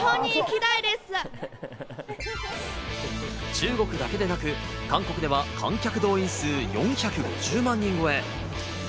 中国だけでなく、韓国では観客動員数４５０万人超え。